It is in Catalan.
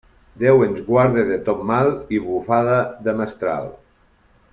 Déu ens guarde de tot mal i bufada de mestral.